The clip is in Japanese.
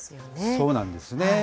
そうなんですね。